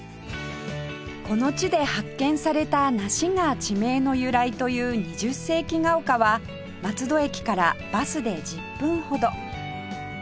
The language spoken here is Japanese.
この地で発見された梨が地名の由来という二十世紀が丘は松戸駅からバスで１０分ほど